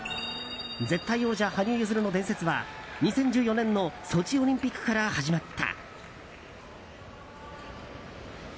絶対王者、羽生結弦の伝説は２０１４年のソチオリンピックから始まった。